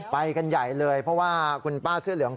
ไปกันใหญ่เลยเพราะว่าคุณป้าเสื้อเหลือง